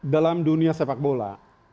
dalam dunia sepak bola